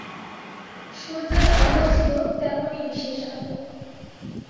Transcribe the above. সূর্যের আলোও ছিল তেমনি বিশেষ আলো।